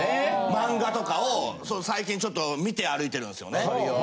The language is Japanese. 漫画とかを最近ちょっと見て歩いてるんですよね。